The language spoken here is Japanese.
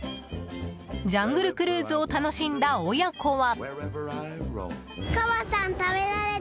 ジャングルクルーズを楽しんだ親子は。